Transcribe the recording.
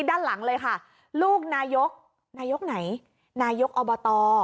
ด้านหลังเลยค่ะลูกนายกนายกไหนนายกอบต